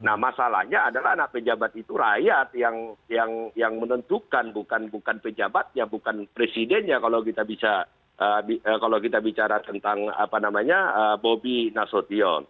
nah masalahnya adalah anak pejabat itu rakyat yang menentukan bukan pejabatnya bukan presidennya kalau kita bicara tentang bobi nasution